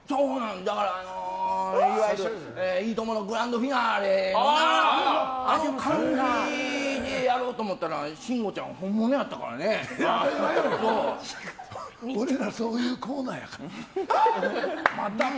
だからあの「いいとも！」のグランドフィナーレであの感じでやろうと思ったら慎吾ちゃん、本物やったからね。俺らそういうコーナーやから。